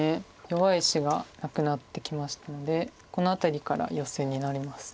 弱い石がなくなってきましたのでこの辺りからヨセになります。